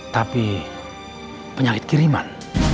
tapi penyakit kiriman